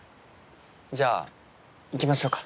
じゃあ行きましょうか。